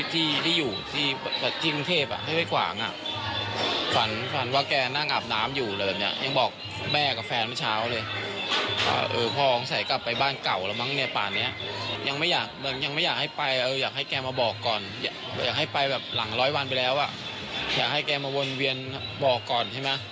ทางนงเวียนบอกก่อนใช่ไหม